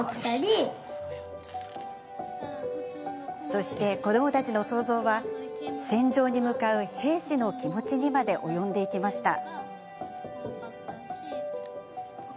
そして子どもたちの想像は戦場に向かう兵士の気持ちにまで及んでいきました。